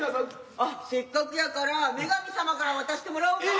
あっせっかくやから女神様から渡してもらおうかな。